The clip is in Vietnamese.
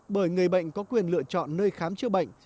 bởi người bệnh có quyền lựa chọn nơi khám chữa bệnh